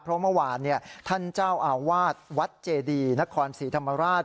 เพราะเมื่อวานท่านเจ้าอาวาสวัดเจดีนครศรีธรรมราช